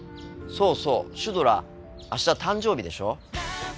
そうそうシュドラあした誕生日でしょ？